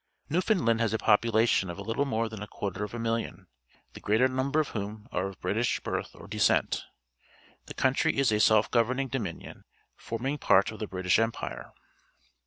Newfoundland has a population of a httle more than a quarter of a million, the greater number of whom are of British birth or descent. The__country is a self goA'erning Dominion, forming part of the British Empire.